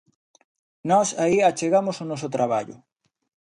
Nós aí achegamos o noso traballo.